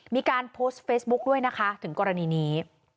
มีการโพสต์เฟซบุ๊คด้วยนะคะถึงกรณีนี้